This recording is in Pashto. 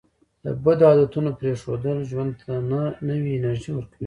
د بدو عادتونو پرېښودل ژوند ته نوې انرژي ورکوي.